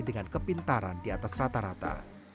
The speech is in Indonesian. dengan kepintaran di atas rata rata